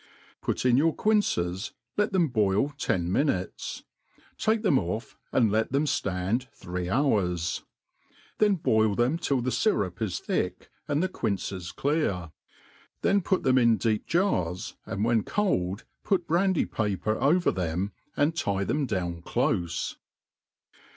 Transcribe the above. Put in your quinces, let them boil ten minutes; take them off, and let them ftand three hours ; then boil them till the fyrup is thick^' and the quinces clear; then put them in deep jars, and wheii cold put brandy paper over them, and tie them doiyn clofe.